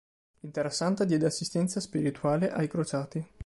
In Terra Santa diede assistenza spirituale ai crociati.